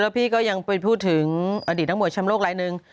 พี่ก็ยังไปพูดถึงอดีตนักมวยชำโลกลายหนึ่ง